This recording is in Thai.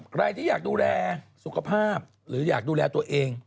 ใครที่อยากดูแลสุขภาพหรืออยากดูแลตัวเอง